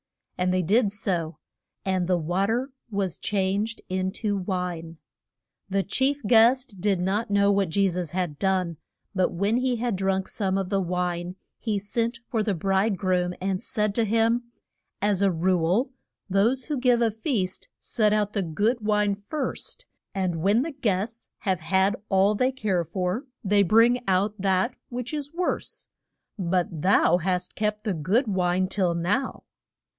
And they did so; and the wa ter was changed in to wine. The chief guest did not know what Je sus had done; but when he had drunk some of the wine he sent for the bride groom and said to him, As a rule, those who give a feast set out the good wine first, and when the guests have had all they care for they bring out that which is worse. But thou hast kept the good wine till now.